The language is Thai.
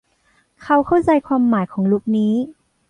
เขาเข้าใจความหมายของลุคนี้